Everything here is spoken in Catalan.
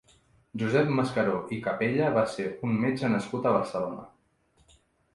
Josep Mascaró i Capella va ser un metge nascut a Barcelona.